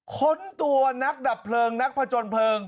ค้นตัวนักดับเพลิงนักผจญเพลิง